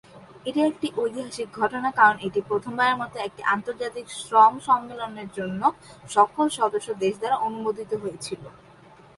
এটি একটি ঐতিহাসিক ঘটনা কারণ এটি প্রথমবারের মতো একটি আন্তর্জাতিক শ্রম সম্মেলনের জন্য সকল সদস্য দেশ দ্বারা অনুমোদিত হয়েছিল।